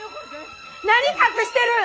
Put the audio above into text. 何隠してるん！？